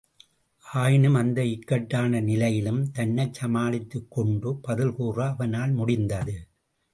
ஆயினும், அந்த இக்கட்டான நிலையிலும், தன்னைச் சமாளித்துக்கொண்டு, பதில்கூற அவனால் முடிந்தது.